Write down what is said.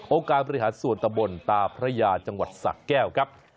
การบริหารส่วนตะบนตาพระยาจังหวัดสะแก้วครับ